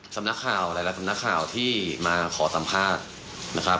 สำนักข่าวหลายหลายสำนักข่าวที่มาขอสำภาษณ์